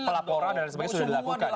pelaporan dan sebagainya sudah dilakukan